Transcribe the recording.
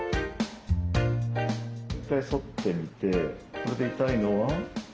１回反ってみてこれで痛いのは？